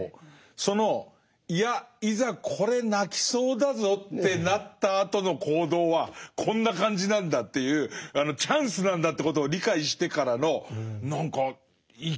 そのいやいざこれ鳴きそうだぞってなったあとの行動はこんな感じなんだっていうチャンスなんだということを理解してからの何か生き生きとしたっていうか。